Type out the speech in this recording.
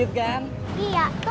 iya tuh memenang pinter